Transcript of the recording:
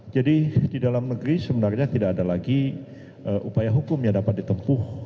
jadi di dalam negeri sebenarnya tidak ada lagi upaya hukum yang dapat ditempuh